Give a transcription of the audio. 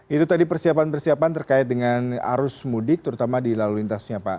itu tadi persiapan persiapan terkait dengan arus mudik terutama di lalu lintasnya pak